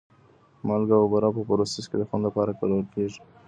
مالګه او بوره په پروسس کې د خوند لپاره کارول کېږي.